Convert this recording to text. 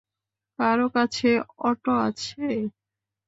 কারো কাছে অটো আছে?